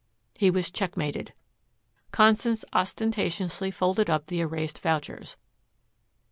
He was checkmated. Constance ostentatiously folded up the erased vouchers.